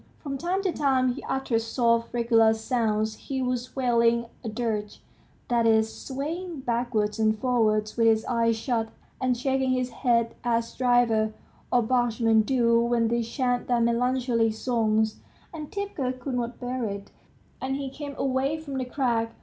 From time to time he uttered soft regular sounds; he was wailing a dirge, that is, swaying backwards and forwards with his eyes shut, and shaking his head as drivers or bargemen do when they chant their melancholy songs. Antipka could not bear it, and he came away from the crack.